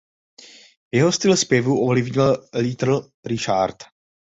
Jeho styl zpěvu ovlivnil Little Richard.